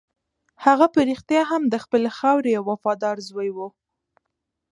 هغه په رښتیا هم د خپلې خاورې یو وفادار زوی و.